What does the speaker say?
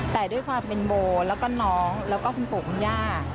แต่ด้วยความเป็นโมแล้วก็น้องแล้วก็คุณปู่คุณย่า